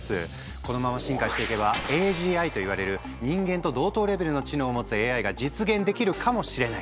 このまま進化していけばＡＧＩといわれる人間と同等レベルの知能を持つＡＩが実現できるかもしれない。